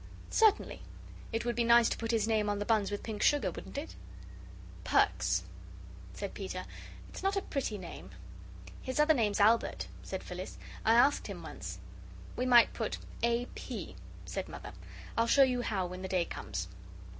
Certainly. It would be nice to put his name on the buns with pink sugar, wouldn't it?" "Perks," said Peter, "it's not a pretty name." "His other name's Albert," said Phyllis; "I asked him once." "We might put A. P.," said Mother; "I'll show you how when the day comes."